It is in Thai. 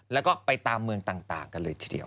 แล้วก็ไปตามเมืองต่างกันเลยทีเดียว